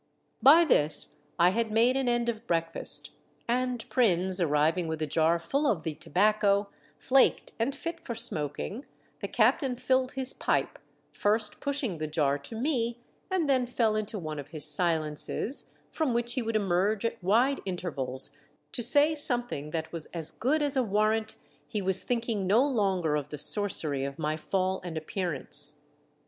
By this I had made an end of breakfast, and Prins arriving with a jar full of the tobacco, flaked and fit for smoking, the captain filled his pipe, first pushing the jar to me, and then fell into one of his silences, from which he would emerge at wide in MY SWEETHEART'S JOY. 335 tervals to say something that was as good as a warrant he was thinking no longer of the sorcery of my fall and appearance.